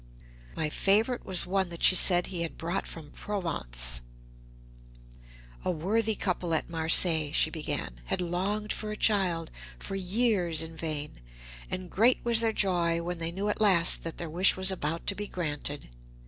My favourite was one that she said he had brought from Provence. The Princess with the Sea Green Hair. "A worthy couple at Marseilles," she began, "had longed for a child for years in vain, and great was their joy when they knew at last that their wish was about to be granted.